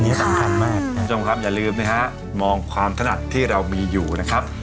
อันนี้สำคัญมากคุณผู้ชมครับอย่าลืมนะฮะมองความถนัดที่เรามีอยู่นะครับ